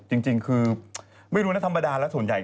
จริงคือไม่รู้นะธรรมดาแล้วส่วนใหญ่